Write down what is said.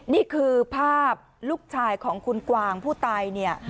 นี่คือภาพลูกชายของคุณกวางผู้ตายเนี่ย